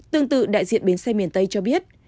tương tự đại diện bến xe miền tây cho biết